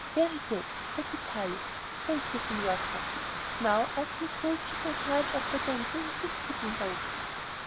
"Very good," said Vitalis; "thank you, Signor Capi. And now ask Miss Dulcie to oblige us by dancing with the skipping rope."